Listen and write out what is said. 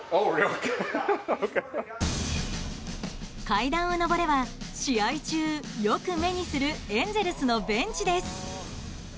階段を上れば試合中、よく目にするエンゼルスのベンチです。